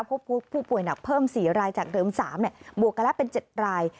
พบผู้ป่วยหนักเพิ่ม๔รายจากเดิม๓บวกกันแล้วเป็น๗ราย